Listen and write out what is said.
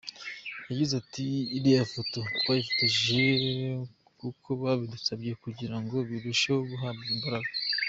Yagize ati, “Iriya foto twayifotoje kuko babidusabye kugira ngo birusheho guhabwa imbaraga.